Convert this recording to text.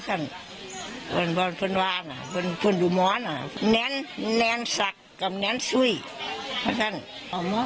น้องม็อค์เพื่อนบอกว่าไม่ออกไหลอย่างแล้วไม่เสียเพื่อน